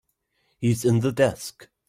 He's in the desk.